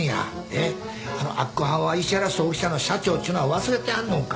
明子はんは石原葬儀社の社長っちゅうのは忘れてはんのんか？